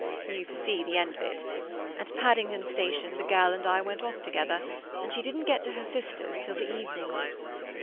You foresee the end of it. At Paddington Station the girl and I went off together, and she didn't get to her sister's till the evening.